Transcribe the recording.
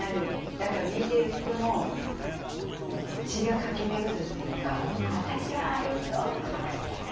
だから、見てる人も血が駆け巡るというか私はあいつを殺してやる！